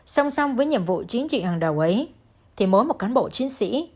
song song với nhiệm vụ chính trị hàng đầu ấy thì mỗi một cán bộ chiến sĩ